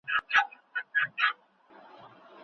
آیا خپل وطن تر ټولې نړۍ ګران دی؟